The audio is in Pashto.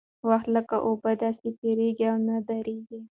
وخت لکه اوبه داسې تېرېږي او نه درېږي.